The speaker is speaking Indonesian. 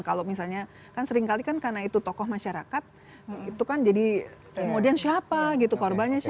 kalau misalnya kan seringkali kan karena itu tokoh masyarakat itu kan jadi kemudian siapa gitu korbannya siapa